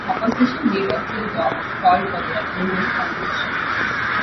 Opposition Leader Phil Goff called for a referendum on the issue.